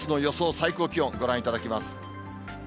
最高気温ご覧いただきます。